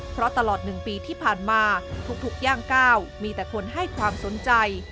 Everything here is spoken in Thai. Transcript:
เพราะตลอด๑ปีที่ผ่านมาทุกย่างก้าวมีแต่คนให้ความสนใจ